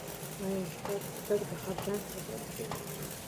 ایا ستاسو تګ د خفګان سبب دی؟